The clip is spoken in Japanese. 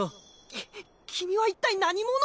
き君は一体何者？